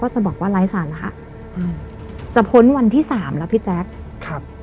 จะบอกว่าไร้สาระอืมจะพ้นวันที่สามแล้วพี่แจ๊คครับ